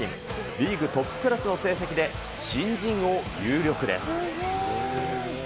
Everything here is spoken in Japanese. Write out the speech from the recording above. リーグトップクラスの成績で新人王有力です。